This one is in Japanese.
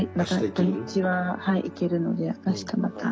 土日は行けるのであしたまた。